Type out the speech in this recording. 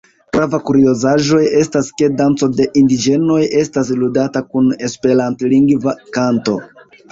Grava kuriozaĵo estas ke danco de indiĝenoj estas ludata kun esperantlingva kanto.